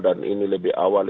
dan ini lebih awal